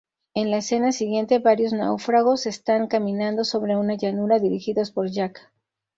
En la escena siguiente, varios náufragos están caminando sobre una llanura, dirigidos por Jack.